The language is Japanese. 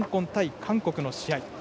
韓国の試合。